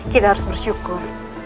kita harus bersyukur